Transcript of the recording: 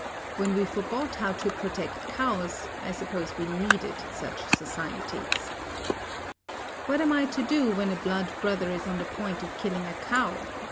When we forgot how to protect cows, I suppose we needed such societies. What am I to do when a blood brother is on the point of killing a cow?